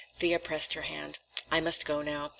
Thea pressed her hand. "I must go now.